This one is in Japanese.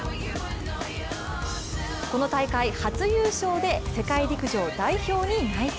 この大会初優勝で世界陸上代表に内定。